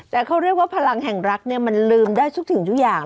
แต่เขาเรียกว่าพลังแห่งรักเนี่ยมันลืมได้ทุกสิ่งทุกอย่าง